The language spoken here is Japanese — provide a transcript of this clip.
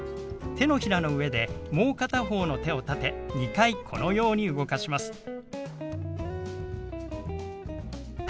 手のひらの上でもう片方の手を立て２回このように動かします。